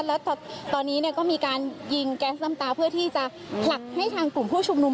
แล้วตอนนี้เนี่ยก็มีการยิงแก๊สน้ำตาเพื่อที่จะผลักให้ทางกลุ่มผู้ชุมนุม